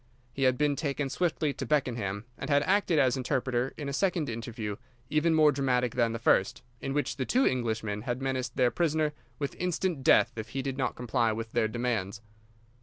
He had been taken swiftly to Beckenham, and had acted as interpreter in a second interview, even more dramatic than the first, in which the two Englishmen had menaced their prisoner with instant death if he did not comply with their demands.